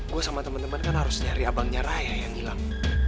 gua sama temen temen kan harus nyari abangnya raya yang hilang